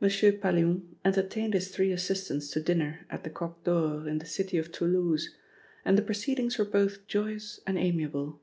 M. Pallion entertained his three assistants to dinner at the Coq d'Or in the city of Toulouse, and the proceedings were both joyous and amiable.